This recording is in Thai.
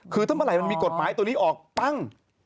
คือถ้าเมื่อไหร่มันมีกฎหมายตัวนี้ออกปั้ง